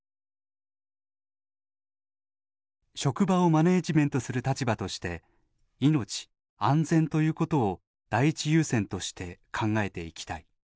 「職場をマネージメントする立場として『命』『安全』ということを第一優先として考えていきたい」。